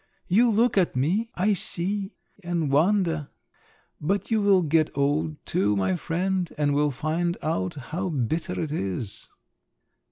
"You look at me, I see, and wonder…. But you will get old too, my friend, and will find out how bitter it is!"